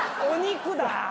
お肉だ！